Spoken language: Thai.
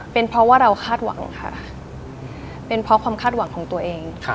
เป็นเพราะว่าเราคาดหวังค่ะเป็นเพราะความคาดหวังของตัวเอง